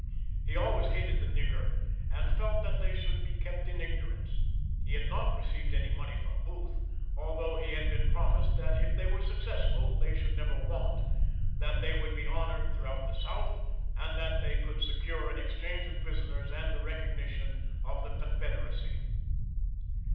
He always hated the nigger and felt that they should be kept in ignorance. He had not received any money from Booth, although he had been promised that if they were successful they should never want, that they would be honored throughout the South, and that they could secure an exchange of prisoners and the recognition of the confederacy.